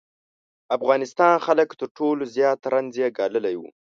افغانستان خلک تر ټولو زیات رنځ یې ګاللی و.